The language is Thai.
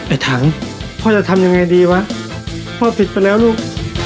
ไอ้ถังพ่อจะทำยังไงดีวะพ่อปิดไปแล้วลูก